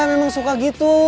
memang suka gitu